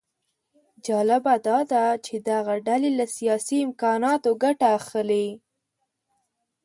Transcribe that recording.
جالبه داده چې دغه ډلې له سیاسي امکاناتو ګټه اخلي